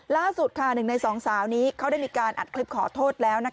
ล่าสุดหนึ่งในสองสาวนี้เขาได้มีการอัดคลิปขอโทษแล้ว